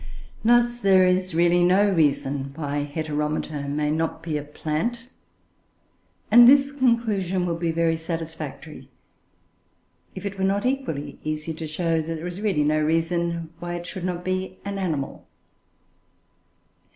Thus there is really no reason why Heteromita may not be a plant; and this conclusion would be very satisfactory, if it were not equally easy to show that there is really no reason why it should not be an animal.